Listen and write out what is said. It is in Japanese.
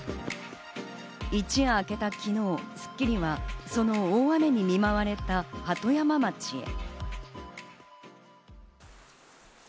一夜明けた昨日、『スッキリ』はその大雨に見舞われた鳩山町へ。